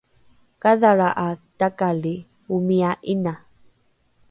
kadhalra’a takali omia ’ina